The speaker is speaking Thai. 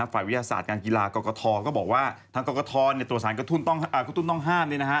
วิทยาศาสตร์การกีฬากรกฐก็บอกว่าทางกรกฐตัวสารกระตุ้นต้องห้าม